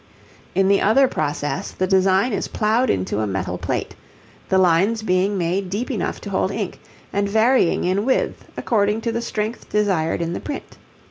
In the other process, the design is ploughed into a metal plate, the lines being made deep enough to hold ink, and varying in width according to the strength desired in the print.